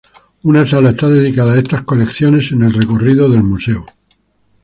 Una sala está dedicada a estas colecciones en el recorrido del museo.